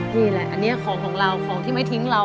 นี่แหละอันนี้ของของเราของที่ไม่ทิ้งเรา